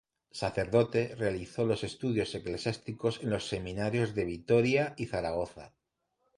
Sacerdote, realizó los estudios eclesiásticos en los Seminarios de Vitoria y Zaragoza.